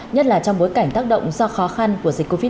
nhất là trong bối cảnh tác động do khó khăn của dịch covid một mươi